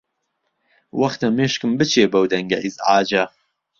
وەختە مێشکم بچێ بەو دەنگە ئیزعاجە.